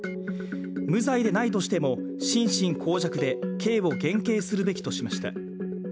無罪でないとしても心神耗弱で刑を減軽するべきとしました。